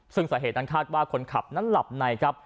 ซึ่งสาเหตุนั้นคาดว่าคนขับนั้นหลับในครับ